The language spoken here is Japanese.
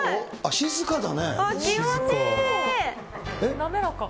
静かだね。